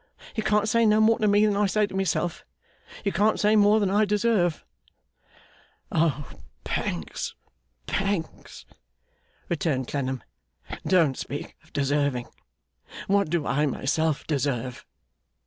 You can't say more to me than I say to myself. You can't say more than I deserve.' 'O, Pancks, Pancks!' returned Clennam, 'don't speak of deserving. What do I myself deserve!